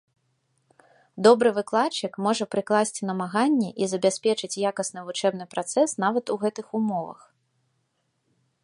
Добры выкладчык можа прыкласці намаганні і забяспечыць якасны вучэбны працэс нават у гэтых умовах.